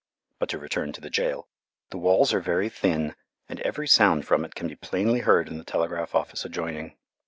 But to return to the jail. The walls are very thin, and every sound from it can be plainly heard in the telegraph office adjoining.